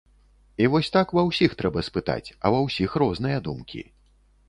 І вось так ва ўсіх трэба спытаць, а ва ўсіх розныя думкі.